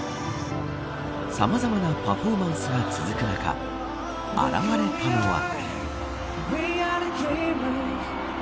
さまざまなパフォーマンスが続く中現れたのは。